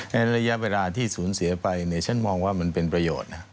ในระยะเวลาที่ศูนย์เสียไปเนี่ยฉันมองว่ามันเป็นประโยชน์